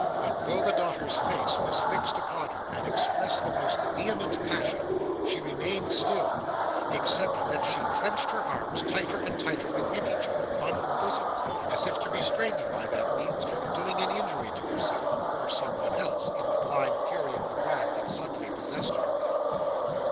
But though the daughter's face was fixed upon her, and expressed the most vehement passion, she remained still: except that she clenched her arms tighter and tighter within each other, on her bosom, as if to restrain them by that means from doing an injury to herself, or someone else, in the blind fury of the wrath that suddenly possessed her.